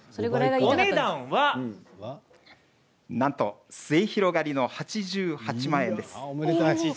お値段は末広がりの８８万円です。